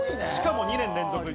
しかも２年連続。